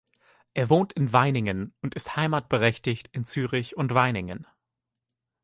Er wohnt in Weiningen und ist heimatberechtigt in Zürich und Weiningen.